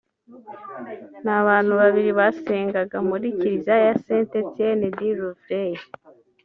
n’abantu babiri basengaga muri Kiliziya ya Saint-Etienne-du-Rouvray